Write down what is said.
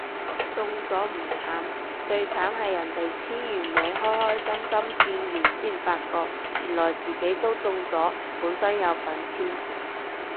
中咗唔慘，最慘係人哋簽完名開開心心見完先發覺原來自己都中咗本身有份簽